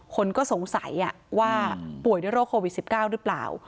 คนก็สงสัยว่าป่วยด้วยโรคโควิด๑๙หรือเปล่า